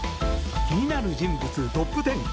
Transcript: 気になる人物トップ１０。